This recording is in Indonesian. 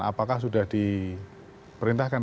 apakah sudah diperintahkan